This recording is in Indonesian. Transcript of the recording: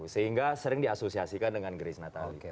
sehingga sering diasosiasikan dengan grace natali